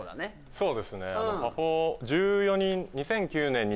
そうですね